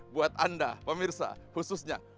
buat anda pemirsa khususnya